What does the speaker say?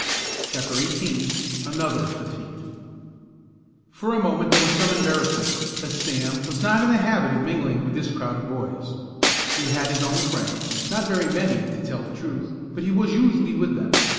CHAPTER XVIII ANOTHER DEFEAT For a moment there was some embarrassment, as Sam was not in the habit of mingling with this crowd of boys. He had his own friends, not very many, to tell the truth, but he was usually with them.